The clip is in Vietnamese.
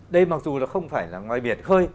đây mặc dù là không phải là ngoài biển khơi